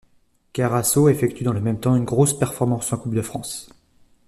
Carrasso effectue dans le même temps une grosse performance en Coupe de France.